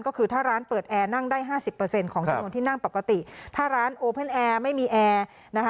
ก็คือถ้าร้านเปิดแอร์นั่งได้ห้าสิบเปอร์เซ็นต์ของจำนวนที่นั่งปกติถ้าร้านโอเพ่นแอร์ไม่มีแอร์นะคะ